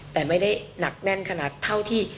แต่ไม่ได้หนักแน่นขนาดเท่าที่